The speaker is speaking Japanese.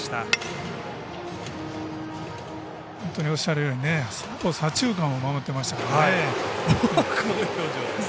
本当におっしゃるように左中間を守ってましたからね。